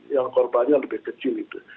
yang korbannya lebih kecil itu